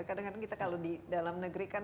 kadang kadang kita kalau di dalam negeri kan